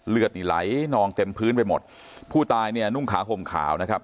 เลือดนี่ไหลนองเต็มพื้นไปหมดผู้ตายเนี่ยนุ่งขาห่มขาวนะครับ